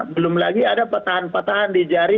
belum lagi ada patahan patahan di jari